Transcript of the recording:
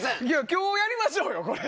今日やりましょうよ、これ。